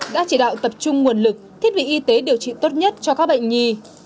đã chỉ đạo tập trung nguồn lực thiết bị y tế điều trị tốt nhất cho các bệnh nhi